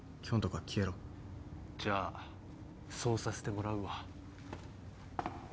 じゃあそうさせてもらうわ。